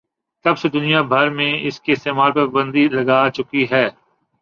تب سے دنیا بھر میں ان کے استعمال پر پابندی لگائی جاچکی ہے